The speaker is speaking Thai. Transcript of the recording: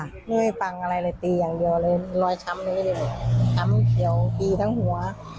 ไม่ให้ฟังอะไรเลยตีอย่างเดียวเลยรอยช้ำนี้เลยช้ำเขียวตีทั้งหัว